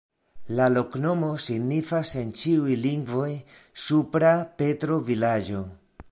La loknomo signifas en ĉiuj lingvoj: supra-Petro-vilaĝo.